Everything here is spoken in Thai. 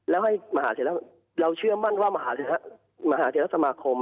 แล้วให้มหาเทลสมาคมเราเชื่อมั่นว่ามหาเทลสมาคม